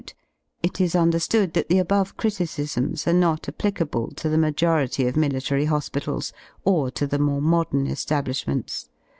C 's "varicose" vein *It is understood that the above criticisms are not applicable to the majority of military hospitals, or to the more modem eslablishments.